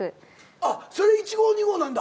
あっそれ１号２号なんだ。